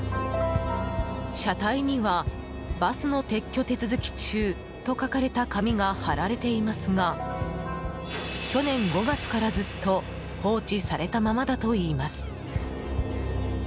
車体には「バスの撤去手続き中」と書かれた紙が貼られていますが去年５月からずっと放置されたままだといいます。